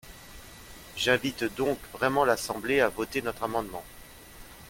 J’invite donc vraiment l’Assemblée à voter notre amendement.